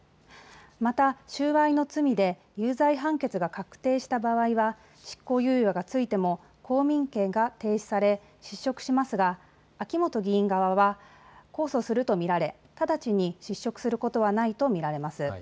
また収賄の罪で有罪判決が確定した場合は執行猶予が付いても公民権が停止され失職しますが秋元議員側は控訴すると見られ直ちに失職することはないと見られます。